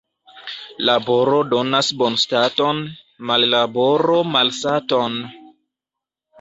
Laboro donas bonstaton, mallaboro malsaton.